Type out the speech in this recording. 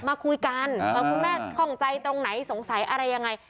มาคุยกันคุณแม่ข้องใจตรงไหนสงสัยอะไรยังไง